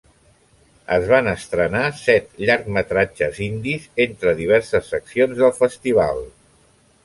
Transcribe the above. Es van estrenar set llargmetratges indis entre diverses seccions del festival.